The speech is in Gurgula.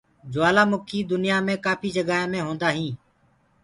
جوُلآ مُکيٚ دنيآ مي ڪآپهي جگآ مي هوندآ هينٚ۔